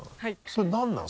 それ何なの？